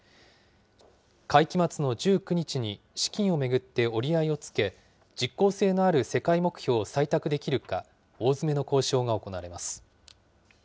会期末の１９日に資金を巡って折り合いをつけ、実効性のある世界目標を採択できるか、大詰めの交渉が行われます。